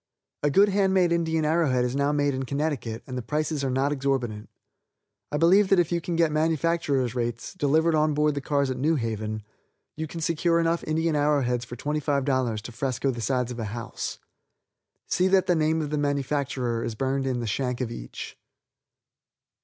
A good hand made Indian arrow head is now made in Connecticut, and the prices are not exorbitant. I believe that if you can get manufacturers' rates, delivered on board the cars at New Haven, you can secure enough Indian arrow heads for $25 to fresco the sides of a house. See that the name of the manufacturer is burned in the shank of each.